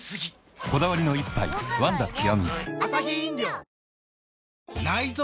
こだわりの一杯「ワンダ極」